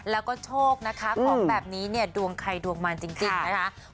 แล้วก็โชคนะคะของแบบนี้เนี่ยดวงใครดวงมันจริงนะคะ